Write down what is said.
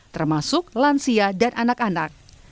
termasuk lansia dan anak anak